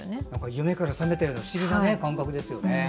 夢から覚めたような不思議な感覚ですよね。